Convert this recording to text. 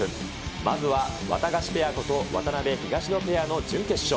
まずはワタガシペアこと渡辺・東野ペアの準決勝。